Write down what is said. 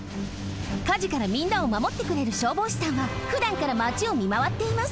かじからみんなをまもってくれる消防士さんはふだんからマチをみまわっています。